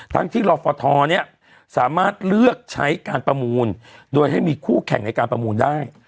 ทั้งที่รอฟทเนี่ยสามารถเลือกใช้การประมูลโดยให้มีคู่แข่งในการประมูลได้